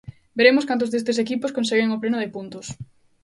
Veremos cantos destes equipos conseguen o pleno de puntos.